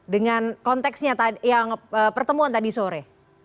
dengan konteksnya yang pertemuan tadi sore